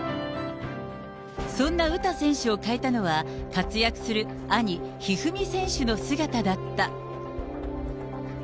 そんな詩選手を変えたのは、活躍する兄、一二三選手の姿だった。